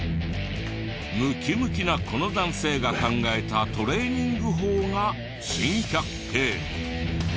ムキムキなこの男性が考えたトレーニング法が珍百景。